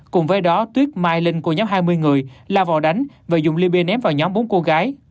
cùng với đó tuyết mai linh của nhóm hai mươi người la vào đánh và dùng libya ném vào nhóm bốn cô gái